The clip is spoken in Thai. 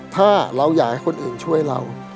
ถ้าเราอยากให้คนอื่นช่วยเรา